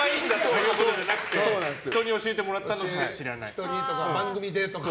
人にとか番組でとか。